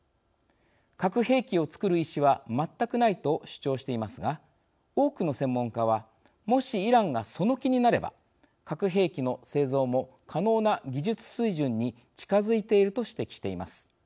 「核兵器を作る意思は全くない」と主張していますが多くの専門家はもし、イランがその気になれば核兵器の製造も可能な技術水準に近づいていると指摘しています。